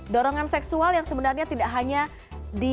dorongan seksual yang sebenarnya tidak hanya di